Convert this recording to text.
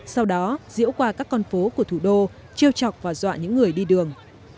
sau đó diễu qua các con phố của thủ đô chiêu chọc và dọa những người đi đường